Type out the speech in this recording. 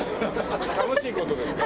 楽しい事ですか？